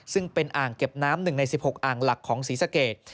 ซึ่งเป็นอ่างเก็บน้ำ๑ใน๑๖อ่างหลักของศรีสะเกด